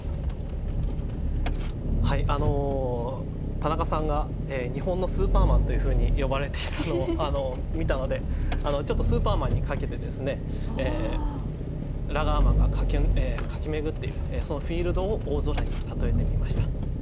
田中さんが日本のスーパーマンというふうに呼ばれていたのを見たのでちょっとスーパーマンにかけてですねラガーマンが駆け巡っているそのフィールドを大空に例えてみました。